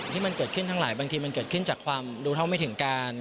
ที่มันเกิดขึ้นทั้งหลายบางทีมันเกิดขึ้นจากความรู้เท่าไม่ถึงการ